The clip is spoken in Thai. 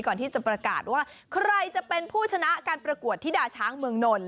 ก่อนที่จะประกาศว่าใครจะเป็นผู้ชนะการประกวดธิดาช้างเมืองนนท